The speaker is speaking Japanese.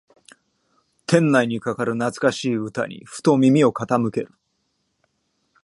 店内にかかる懐かしい歌にふと耳を傾ける